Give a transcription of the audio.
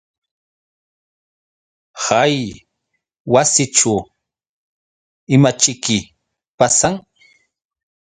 Hay wasićhu ¿imaćhiki pasan?